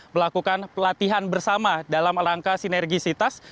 melakukan pelatihan bersama dalam rangka sinergisitas